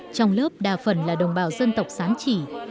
trong lớp đa phần là đồng bào dân tộc sán chỉ